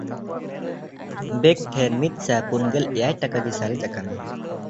ᱵᱮᱠ ᱴᱷᱮᱱ ᱢᱤᱫᱥᱟᱭ ᱯᱩᱱᱜᱮᱞ ᱮᱭᱟᱭ ᱴᱟᱠᱟ ᱜᱮ ᱥᱟᱨᱮᱡ ᱠᱟᱱᱟ᱾